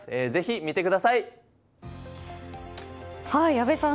阿部さん